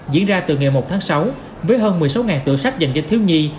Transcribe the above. diễn ra từ ngày một tháng sáu với hơn một mươi sáu tủ sách dành cho thiếu nhi